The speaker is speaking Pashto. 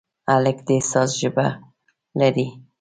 هلک د احساس ژبه لري.